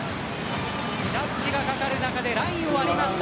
ジャッジがかかる中でラインを割りました。